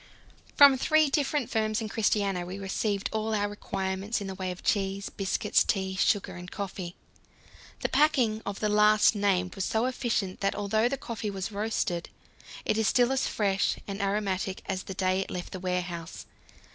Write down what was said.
From three different firms in Christiania we received all our requirements in the way of cheese, biscuits, tea, sugar, and coffee. The packing of the last named was so efficient that, although the coffee was roasted, it is still as fresh and aromatic as the day it left the warehouse.